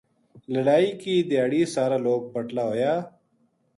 لڑائی کی دھیاڑی سارا لوک بٹلا ہویا